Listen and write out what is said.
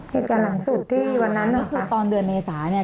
เหตุการณ์หลังสุดที่วันนั้นก็คือตอนเดือนเมษาเนี่ย